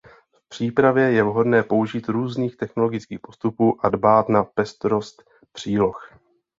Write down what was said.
K přípravě je vhodné použít různých technologických postupů a dbát na pestrost příloh.